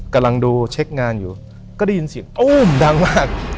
กำลังดูเช็คงานอยู่ก็ได้ยินเสียงตู้มดังมาก